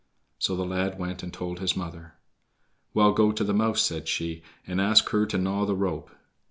So the lad went and told his mother. "Well, go to the mouse," said she, "and ask her to gnaw the rope."